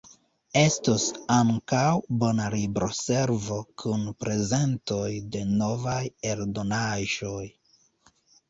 Estos ankaŭ bona libro-servo kun prezentoj de novaj eldonaĵoj.